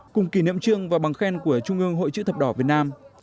cùng kỷ niệm trương và bằng khen của trung ương hội chữ thập đỏ việt nam